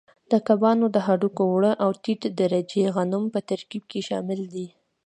د کبانو د هډوکو اوړه او ټیټ درجې غنم په ترکیب کې شامل دي.